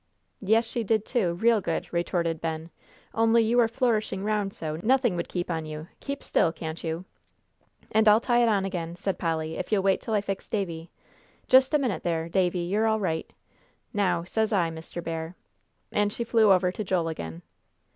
"Yes, she did, too, real good," retorted Ben, "only you are flourishing round so, nothing would keep on you. Keep still, can't you!" "And I'll tie it on again," said Polly, "if you'll wait till I fix Davie just a minute there, Davie, you're all right. Now, says I, Mr. Bear," and she flew over to Joel again.